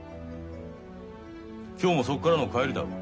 今日もそこからの帰りだろ？